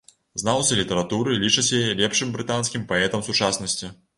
Знаўцы літаратуры лічаць яе лепшым брытанскім паэтам сучаснасці.